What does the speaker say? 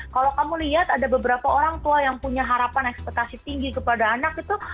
kalau kamu lihat ada beberapa orang tua yang punya harapan ekspektasi tinggi kepada anak itu